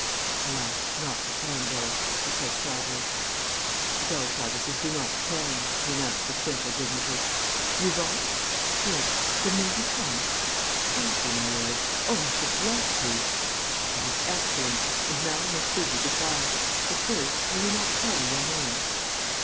"Alas, not the tango," she said sadly. "The Beltraverses do not tang," he announced with simple dignity. "You valse? Good. Then will you come?" "Thank you, my lord. Oh, I should love to!" "That is excellent. And now I must bid you good bye. But first, will you not tell me your name?"